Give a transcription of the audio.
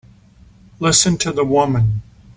Listen to the woman!